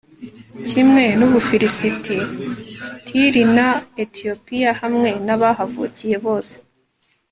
kimwe n'ubufilisiti, tiri na etiyopiya.hamwe n'abahavukiye bose